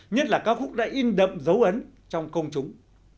nhất là ca khúc đã in đậm dấu ấn trong công chúng